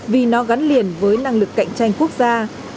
vì nó gắn liền với năng lực cạnh tranh quốc gia